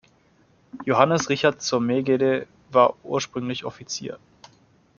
Johannes Richard zur Megede war ursprünglich Offizier.